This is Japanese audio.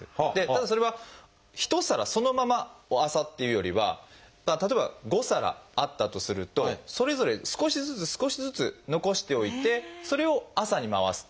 ただそれは一皿そのまま朝っていうよりは例えば５皿あったとするとそれぞれ少しずつ少しずつ残しておいてそれを朝に回す。